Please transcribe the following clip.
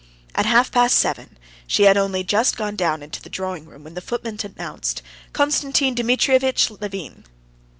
At half past seven she had only just gone down into the drawing room, when the footman announced, "Konstantin Dmitrievitch Levin."